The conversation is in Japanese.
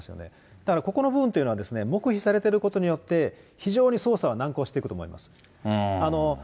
だから、ここの部分というのは、黙秘されていることによって、非常に捜査は難航していくと思います。